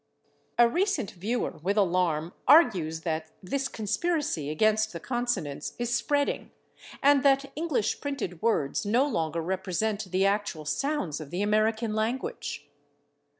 A recent viewer with alarm argues that this conspiracy against the consonants is spreading, and that English printed words no longer represent the actual sounds of the American language.